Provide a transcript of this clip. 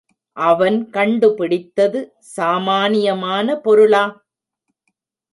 அவன் கண்டுபிடித்தது சாமானியமான பொருளா?